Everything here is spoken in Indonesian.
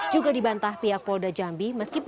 juga dibantah pihak polda jambi